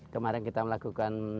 kemarin kita melakukan